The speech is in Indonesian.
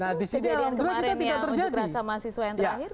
nah di sini alhamdulillah kita tidak terjadi